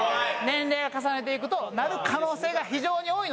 年齢を重ねていくとなる可能性が非常に多いので。